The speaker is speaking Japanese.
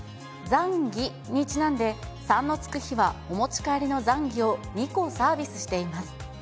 ざんぎにちなんで、３のつく日はお持ち帰りのざんぎを２個サービスしています。